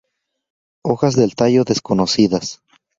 Hojas del tallo desconocidas.